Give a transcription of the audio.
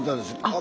あ！